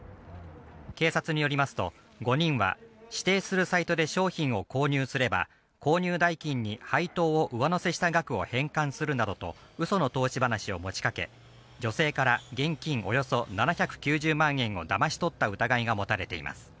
警察によりますと、５人は指定するサイトで商品を購入すれば購入代金に配当を上乗せした額を返還するなどとウソの投資話を持ちかけ、女性から現金およそ７９０万円をだまし取った疑いが持たれています。